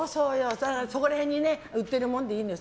そこら辺に売ってるものでいいのよ。